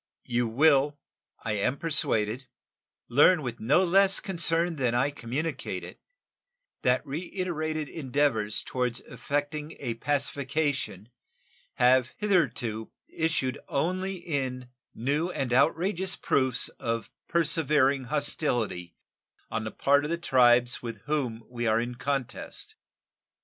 You will, I am persuaded, learn with no less concern than I communicate it that reiterated endeavors toward effecting a pacification have hitherto issued only in new and outrageous proofs of persevering hostility on the part of the tribes with whom we are in contest.